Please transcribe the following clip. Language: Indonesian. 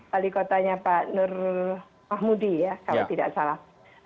wali kotanya pak nur mahmudi ya kalau tidak salah